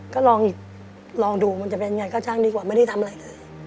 ก็ลองดูมันจะเป็นยังไงก็ช่างดีกว่าไม่ได้ทำอะไรเลย